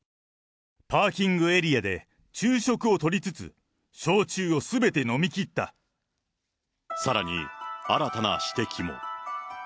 パーキングエリアで昼食をとりつつ、さらに、新たな指摘も。